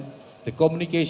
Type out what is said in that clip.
apakah sudah direkomendasi